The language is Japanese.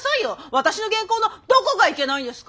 私の原稿のどこがいけないんですか！？